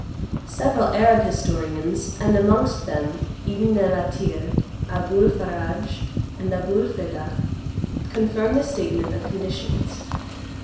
Several Arab historians, and amongst them Ibn el Athir, Aboul Faradje, and Aboul Feda confirm the statement of conditions.